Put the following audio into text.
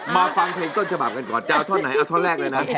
ฟังเพลงต้นฉบับกันก่อนจะเอาท่อนไหนเอาท่อนแรกเลยนะ